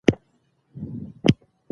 کمپیوټرونه خراب دي.